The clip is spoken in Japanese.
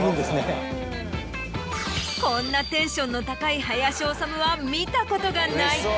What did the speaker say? こんなテンションの高い林修は見たことがない！